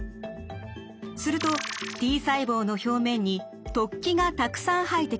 するとＴ細胞の表面に突起がたくさん生えてきます。